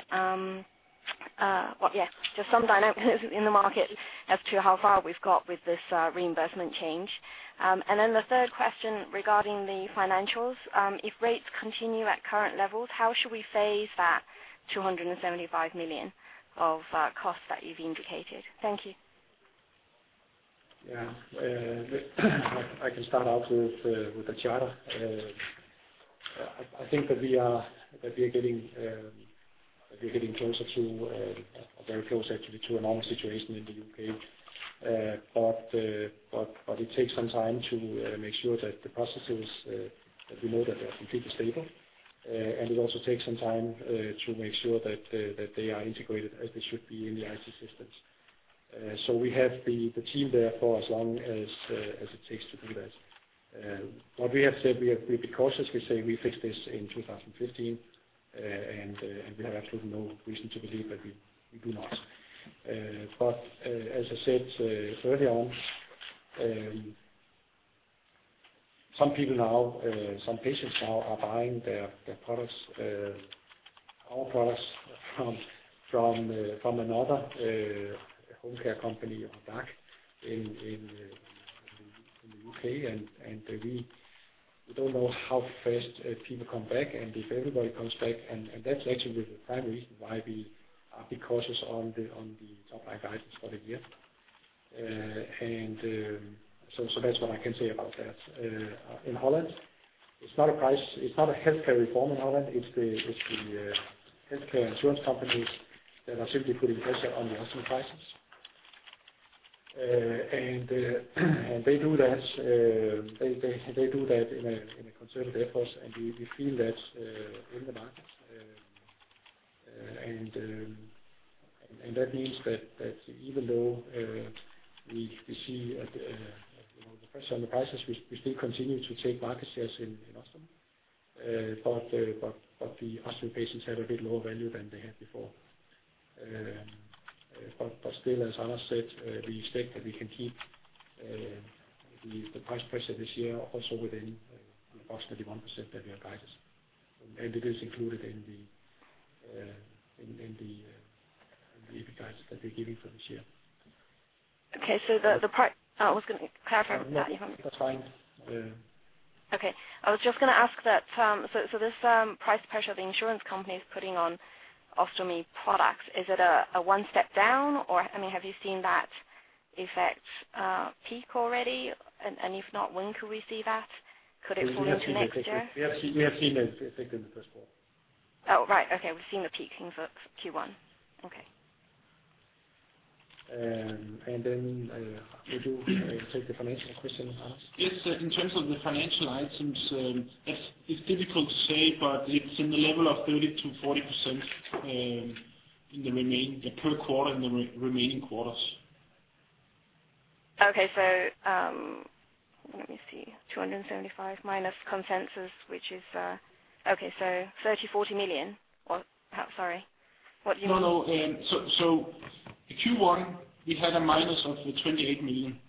well, yeah, just some dynamics in the market as to how far we've got with this reimbursement change. The third question regarding the financials, if rates continue at current levels, how should we phase that 275 million of costs that you've indicated? Thank you. I can start out with the Charter. I think that we are getting, we're getting closer to very close actually, to a normal situation in the U.K. It takes some time to make sure that the processes, we know that they're completely stable. It also takes some time to make sure that they are integrated as they should be in the IT systems. We have the team there for as long as it takes to do that. What we have said, we're cautious. We say we fix this in 2015, we have absolutely no reason to believe that we do not. As I said earlier on, some patients now are buying their products, our products from another home care company on DAC in the UK. We don't know how fast people come back and if everybody comes back, and that's actually the primary reason why we are being cautious on the top line guidance for the year. So that's what I can say about that. In Holland, it's not a price, it's not a healthcare reform in Holland, it's the healthcare insurance companies that are simply putting pressure on the ostomy prices. They do that, they do that in a conserrted efforts, and we feel that in the market. That means that even though we see a, you know, the pressure on the prices, we still continue to take market shares in ostomy. The ostomy patients have a bit lower value than they had before. Still, as Anders said, we expect that we can keep the price pressure this year also within approximately 1% that we are guided. It is included in the EBIT guidance that we're giving for this year. Okay, the part... I was gonna clarify that. That's fine. Yeah. Okay. I was just gonna ask that. This price pressure the insurance company is putting on ostomy products, is it a one step down, or, I mean, have you seen that effect peak already? If not, when could we see that? Could it fall into next year? We have seen the effect in the first quarter. Oh, right. Okay. We've seen the peak in the Q1. Okay. Would you take the financial question, Anders? In terms of the financial items, it's difficult to say, but it's in the level of 30%-40% in the remaining quarters. Okay. Let me see. 275 minus consensus, which is, okay, so 30 million, 40 million, or sorry, No, no. Q1, we had a minus of 28 million,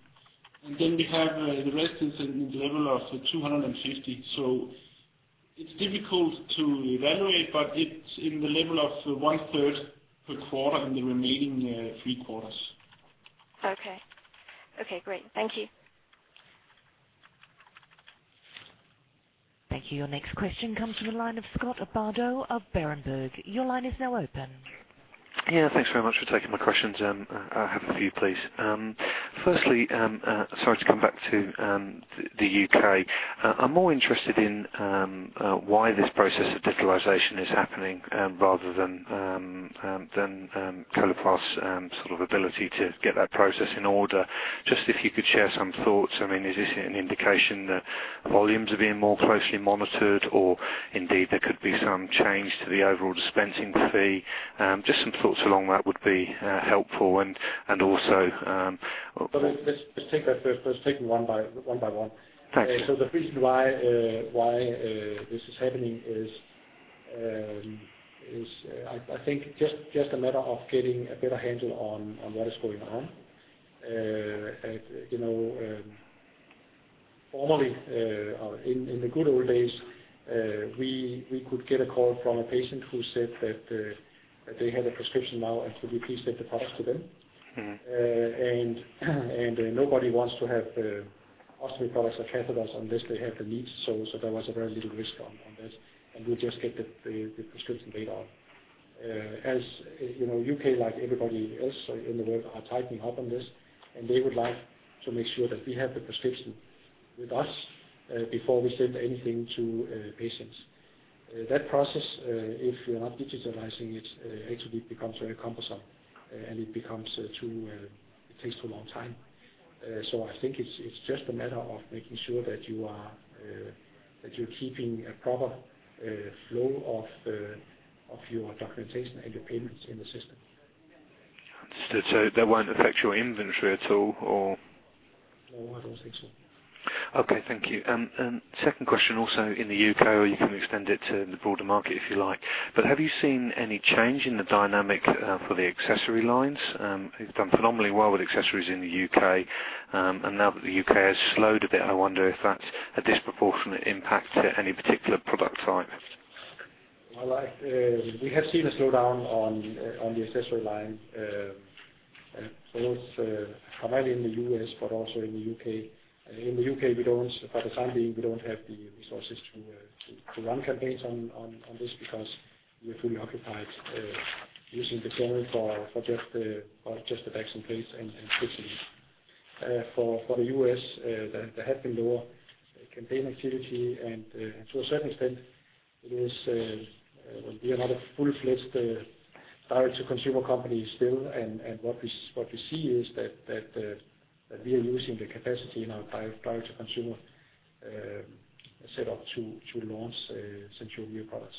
and then we have, the rest is in the level of 250. It's difficult to evaluate, but it's in the level of one third per quarter in the remaining, 3 quarters. Okay. Okay, great. Thank you. Thank you. Your next question comes from the line of Scott Bardo of Berenberg. Your line is now open. Yeah, thanks very much for taking my questions. I have a few, please. Firstly, sorry to come back to the U.K. I'm more interested in why this process of digitalization is happening rather than Coloplast sort of ability to get that process in order. Just if you could share some thoughts, I mean, is this an indication that volumes are being more closely monitored, or indeed there could be some change to the overall dispensing fee? Just some thoughts along that would be helpful. Also, Let's take that first. Let's take them one by one. Thanks. The reason why this is happening is I think just a matter of getting a better handle on what is going on. You know, formerly, in the good old days, we could get a call from a patient who said that they had a prescription now, and could we please send the products to them. Mm-hmm. ants to have ostomy products or catheters unless they have the needs. there was very little risk on this, and we just get the prescription later on. as you know, U.K., like everybody else in the world, are tightening up on this, and they would like to make sure that we have the prescription with us before we send anything to patients. That process, if you're not digitalizing it, actually becomes very cumbersome, and it becomes too, it takes too long time. I think it's just a matter of making sure that you are that you're keeping a proper flow of your documentation and your payments in the system. Understood. That won't affect your inventory at all, or? No, I don't think so. Okay, thank you. Second question, also in the U.K., or you can extend it to the broader market if you like. Have you seen any change in the dynamic for the accessory lines? You've done phenomenally well with accessories in the U.K. Now that the U.K. has slowed a bit, I wonder if that's a disproportionate impact to any particular product line? I, we have seen a slowdown on the accessory line. It's primarily in the U.S., but also in the U.K. In the U.K., we don't, for the time being, we don't have the resources to run campaigns on this because we are fully occupied using the channel for just the Vax and Plix and switching. For the U.S., there have been lower campaign activity. To a certain extent, it is, we are not a fully-fledged direct-to-consumer company still. What we see is that we are using the capacity in our direct-to-consumer setup to launch SenSura Mio products.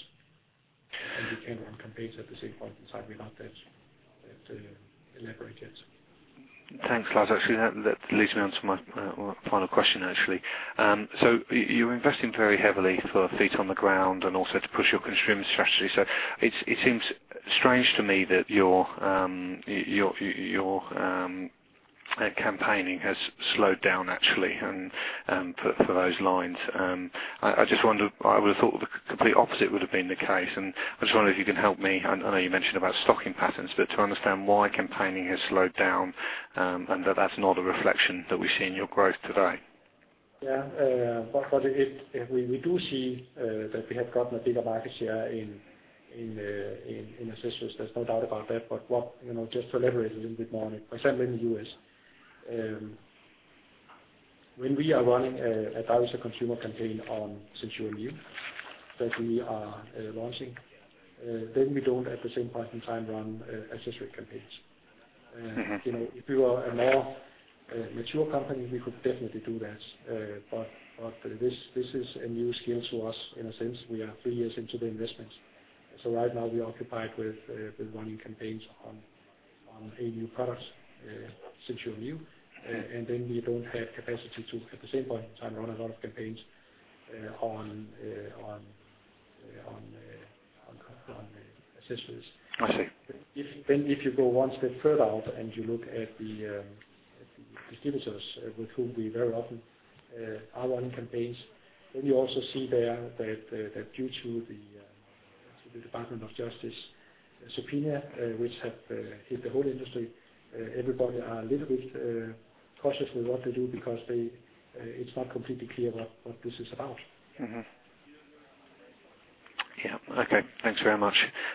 We can run campaigns at the same point in time. We're not that elaborate yet. Thanks, Lars. Actually, that leads me on to my final question, actually. You're investing very heavily for feet on the ground and also to push your consumer strategy. It seems strange to me that your campaigning has slowed down actually, and for those lines. I just wonder, I would have thought the complete opposite would have been the case, and I just wonder if you can help me, I know you mentioned about stocking patterns, but to understand why campaigning has slowed down, and that's not a reflection that we see in your growth today? We do see that we have gotten a bigger market share in accessories. There's no doubt about that. What, you know, just to elaborate a little bit more on it, for example, in the U.S., when we are running a direct-to-consumer campaign on SenSura Mio, that we are launching, then we don't, at the same point in time, run accessory campaigns. Mm-hmm. You know, if we were a more mature company, we could definitely do that. But this is a new skill to us in a sense. We are three years into the investment. Right now, we are occupied with running campaigns on AU products, SenSura Mio. Mm-hmm. Then we don't have capacity to, at the same point in time, run a lot of campaigns, on accessories. I see. If you go one step further out, and you look at the, at the distributors with whom we very often are running campaigns, you also see there that due to the to the Department of Justice subpoena, which have hit the whole industry, everybody are a little bit cautious with what to do because they, it's not completely clear what this is about. Mm-hmm. Yeah. Okay, thanks very much.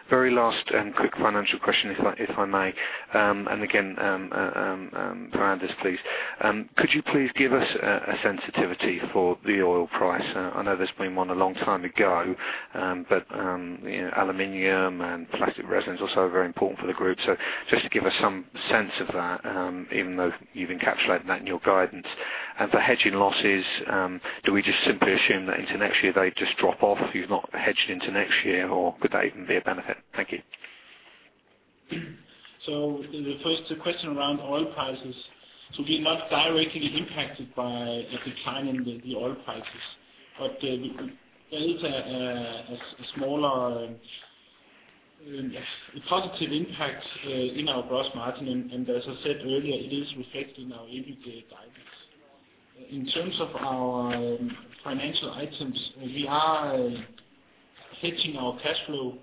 Very last and quick financial question, if I, if I may. Again, parameters, please. Could you please give us a sensitivity for the oil price? I know there's been one a long time ago, but you know, aluminum and plastic resins are also very important for the group. Just to give us some sense of that, even though you've encapsulated that in your guidance. For hedging losses, do we just simply assume that into next year, they just drop off if you've not hedged into next year, or could they even be a benefit? Thank you. The first question around oil prices. We're not directly impacted by a decline in the oil prices, but there is a smaller positive impact in our gross margin. As I said earlier, it is reflected in our EBITDA guidance. In terms of our financial items, we are hedging our cash flow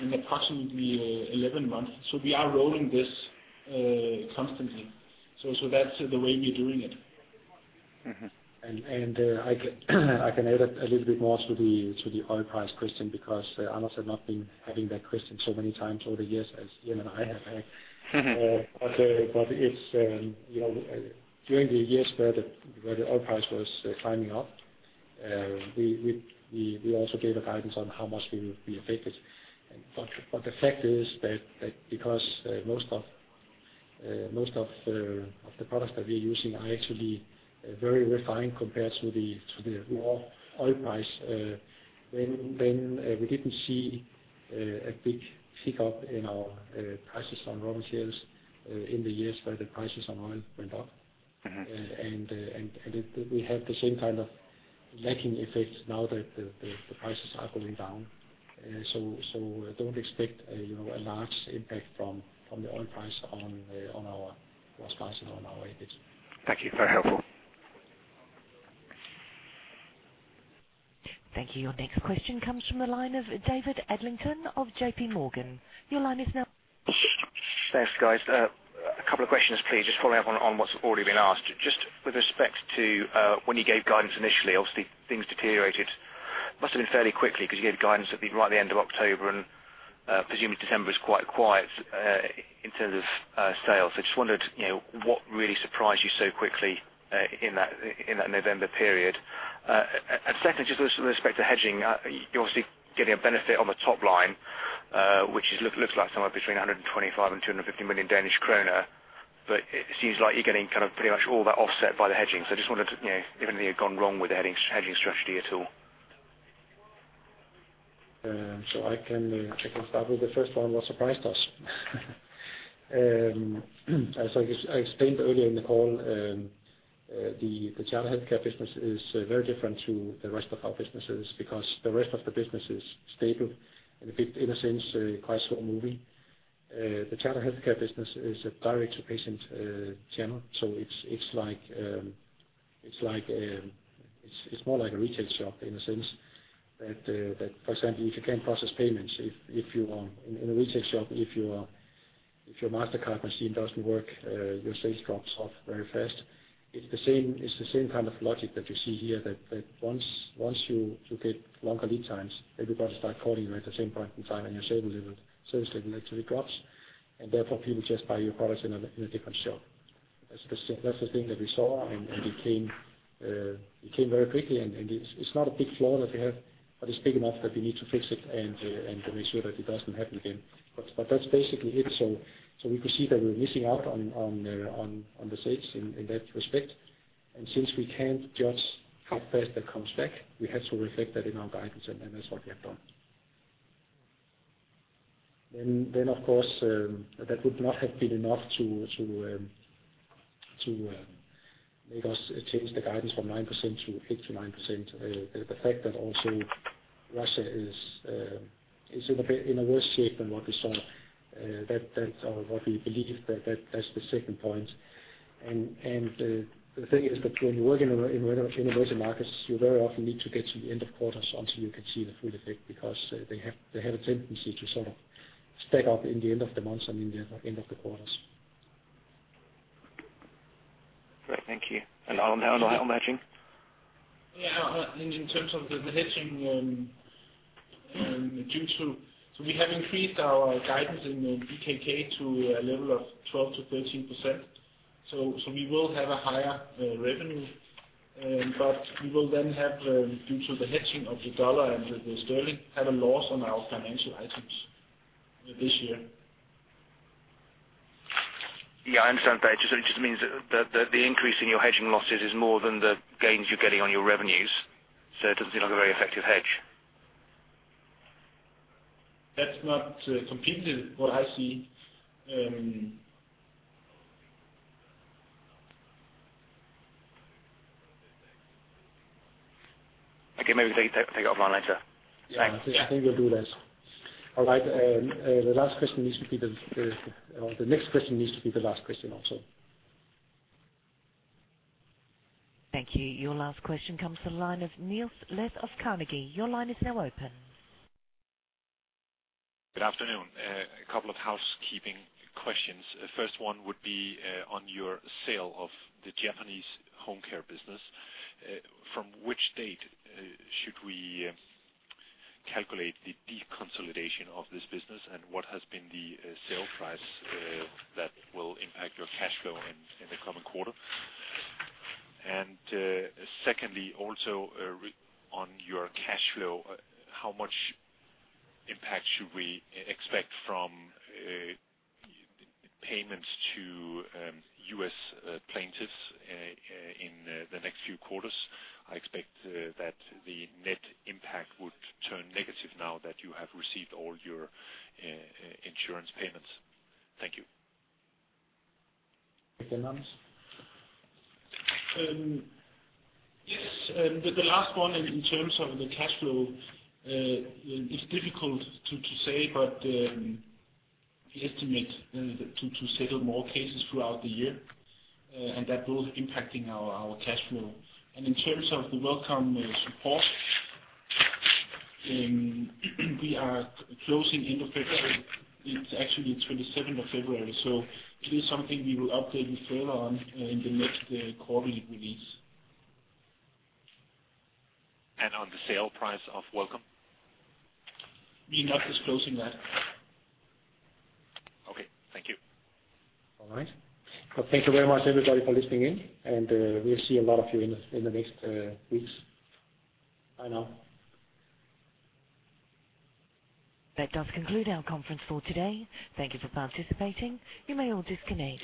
in approximately 11 months, so we are rolling this constantly. That's the way we're doing it. Mm-hmm. I can add a little bit more to the oil price question, because Anders have not been having that question so many times over the years as you and I have had. Mm-hmm. It's, you know, during the years where the oil price was climbing up, we also gave a guidance on how much we would be affected. The fact is that because most of the products that we're using are actually very refined compared to the raw oil price, then we didn't see a big pick-up in our prices on raw materials in the years where the prices on oil went up. Mm-hmm. We have the same kind of lacking effect now that the prices are going down. Don't expect a, you know, a large impact from the oil price on our price margin, on our EBITDA. Thank you. Very helpful. Thank you. Your next question comes from the line of David Adlington of JP Morgan. Your line is now- Thanks, guys. A couple of questions, please. Just following up on what's already been asked. Just with respect to when you gave guidance initially, obviously, things deteriorated. Must have been fairly quickly, 'cause you gave guidance at the end of October, and presumably December is quite quiet in terms of sales. Just wondered, you know, what really surprised you so quickly in that November period? And second, just with respect to hedging, you're obviously getting a benefit on the top line, which looks like somewhere between 125 million and 250 million Danish kroner. It seems like you're getting kind of pretty much all that offset by the hedging. I just wondered, you know, if anything had gone wrong with the hedging strategy at all? I can start with the first one, what surprised us? As I explained earlier in the call, the Charter Healthcare business is very different to the rest of our businesses, because the rest of the business is stable, and if it, in a sense, quite slow moving. The Charter Healthcare business is a direct-to-patient channel. It's like, it's like, it's more like a retail shop in a sense that, for example, if you can't process payments, if you, in a retail shop, if your MasterCard machine doesn't work, your sales drops off very fast. It's the same, it's the same kind of logic that you see here, that once you get longer lead times, everybody start calling you at the same point in time, and your sales level, sales activity drops, and therefore, people just buy your products in a different shop. That's the thing that we saw, and it came very quickly, and it's not a big flaw that we have, but it's big enough that we need to fix it, and to make sure that it doesn't happen again. That's basically it. We could see that we're missing out on the sales in that respect. Since we can't judge how fast that comes back, we had to reflect that in our guidance, and then that's what we have done. Of course, that would not have been enough to make us change the guidance from 9% to 8%-9%. The fact that also Russia is in a bit worse shape than what we saw, that's, or what we believe, that's the second point. The thing is that when you work in whether, in emerging markets, you very often need to get to the end of quarters until you can see the full effect, because they have a tendency to sort of stack up in the end of the months and in the end of the quarters. Great, thank you. On, and on the hedging? In terms of the hedging, due to. We have increased our guidance in the DKK to a level of 12%-13%, so we will have a higher revenue. We will have, due to the hedging of the dollar and the sterling, have a loss on our financial items this year. Yeah, I understand that. It just means that the increase in your hedging losses is more than the gains you're getting on your revenues, so it doesn't seem like a very effective hedge. That's not, completely what I see. Okay, maybe we take offline later. Yeah, I think we'll do that. All right, the last question needs to be the next question needs to be the last question also. Thank you. Your last question comes from the line of Niels Granholm-Leth of Carnegie. Your line is now open. Good afternoon, a couple of housekeeping questions. First one would be on your sale of the Japanese home care business. From which date should we calculate the deconsolidation of this business, and what has been the sale price that will impact your cash flow in the coming quarter? Secondly, also on your cash flow, how much impact should we expect from payments to U.S. plaintiffs in the next few quarters? I expect that the net impact would turn negative now that you have received all your insurance payments. Thank you. The numbers. Yes, the last one in terms of the cash-flow, it's difficult to say, but we estimate to settle more cases throughout the year, and that will impacting our cash flow. In terms of the welcome support, we are closing end of February. It's actually 27th of February, so it is something we will update you further on in the next quarterly release. On the sale price of Welcome? We're not disclosing that. Okay, thank you. All right. Well, thank you very much, everybody, for listening in, and, we'll see a lot of you in the, in the next, weeks. Bye now. That does conclude our conference for today. Thank you for participating. You may all disconnect.